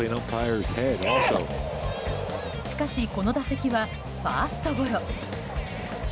しかし、この打席はファーストゴロ。